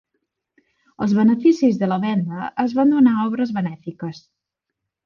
Els beneficis de la venda es van donar a obres benèfiques.